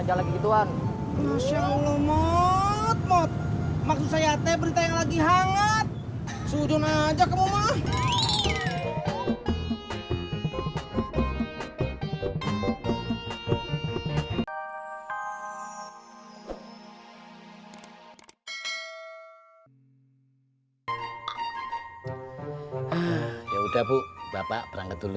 rayanti kok masih disini